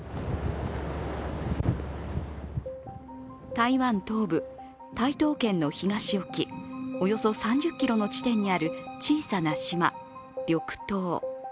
台湾東部・台東県の東沖、およそ３０ｋｍの地点にある小さな島・緑島。